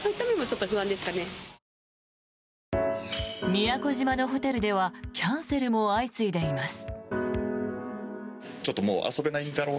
宮古島のホテルではキャンセルも相次いでいます。